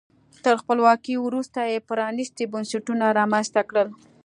تر خپلواکۍ وروسته یې پرانیستي بنسټونه رامنځته کړل.